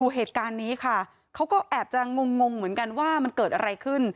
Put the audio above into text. เหตุการณ์นี้ค่ะเขาก็แอบจะงงเหมือนกันว่ามันเกิดอะไรขึ้น